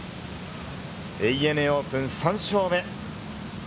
ＡＮＡオープン３勝目。